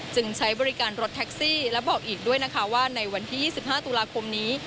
ใช้บริการรถแท็กซี่และบอกอีกด้วยนะคะว่าในวันที่๒๕ตุลาคมนี้